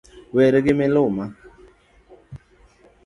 Weri gi miluma.